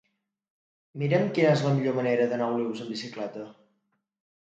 Mira'm quina és la millor manera d'anar a Olius amb bicicleta.